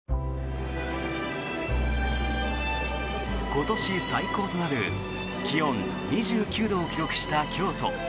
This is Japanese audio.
今年最高となる気温２９度を記録した京都。